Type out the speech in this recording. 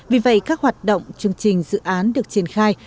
vì vậy các hoạt động chương trình dự án được triển khai